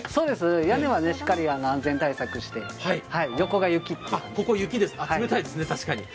屋根はしっかり安全対策していて、冷たいですね、確かに。